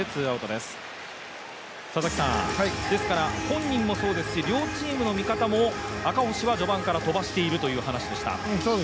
ですから、本人もそうですし両チームの見方も、赤星は序盤から飛ばしているという話でした。